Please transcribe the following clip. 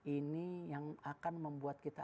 ini yang akan membuat kita